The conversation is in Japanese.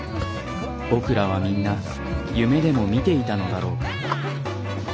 僕らはみんな夢でも見ていたのだろうか。